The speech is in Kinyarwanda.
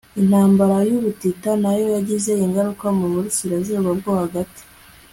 Intambara yubutita nayo yagize ingaruka muburasirazuba bwo hagati